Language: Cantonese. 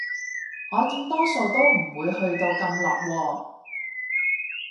我見多數都唔會去到咁落喎